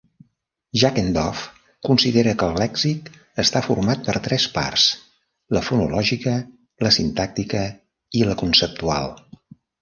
Jackendoff considera que el lèxic està format per tres parts: la fonològica, la sintàctica i la conceptual.